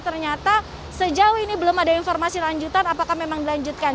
ternyata sejauh ini belum ada informasi lanjutan apakah memang dilanjutkan